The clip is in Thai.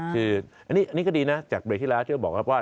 คืออันนี้ก็ดีนะจากเบรกที่แล้ว